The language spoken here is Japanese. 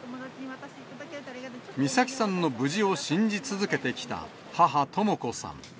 美咲さんの無事を信じ続けてきた母、とも子さん。